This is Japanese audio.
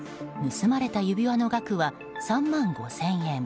盗まれた指輪の額は３万５０００円。